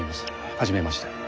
はじめまして」